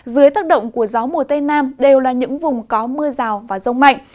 dưới tác động của gió mùa tây nam đều là những vùng có mưa rào và rông mạnh